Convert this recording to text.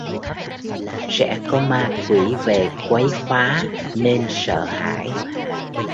sẽ có ma quỷ về quấy phá nên sợ hãi